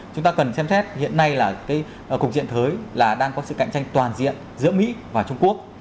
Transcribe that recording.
chúng ta cần xem thét hiện nay là cái cục diện thế giới là đang có sự cạnh tranh toàn diện giữa mỹ và trung quốc